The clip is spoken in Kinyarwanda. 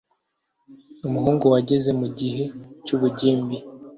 umuhungu wageze mu gihe cy'ubugimbi